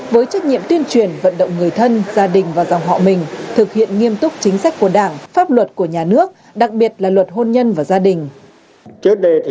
với trách nhiệm tuyên truyền vận động người thân gia đình và dòng họ mình thực hiện nghiêm túc chính sách của đảng pháp luật của nhà nước đặc biệt là luật hôn nhân và gia đình